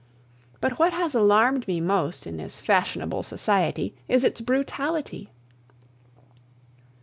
But what has alarmed me most in this fashionable society is its brutality.